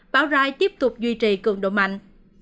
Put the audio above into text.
bão rai tiếp tục duy trì cường độ mạnh